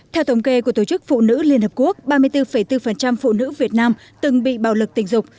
theo thống kê của tổ chức phụ nữ liên hợp quốc ba mươi bốn bốn phụ nữ việt nam từng bị bạo lực tình dục